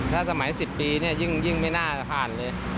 ถ้าสมัย๑๐ปีเนี่ยยิ่งไม่น่าต้อง